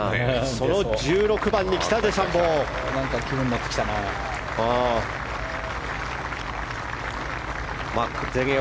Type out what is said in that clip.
その１６番にきたデシャンボー。